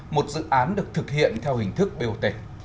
một dự án được thực hiện theo hình thức biểu tình